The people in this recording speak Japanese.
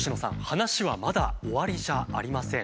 話はまだ終わりじゃありません。